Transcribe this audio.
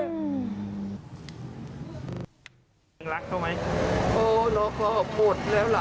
ยังรักเขาไหมโอ้น้องเขาออกหมดแล้วเหรอ